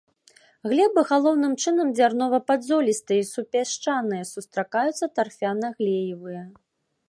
Глебы галоўным чынам дзярнова-падзолістыя і супясчаныя, сустракаюцца тарфяна-глеевыя.